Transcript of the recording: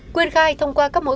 quyền khai thông qua các mối khóa